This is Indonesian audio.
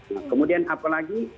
nah kemudian apa lagi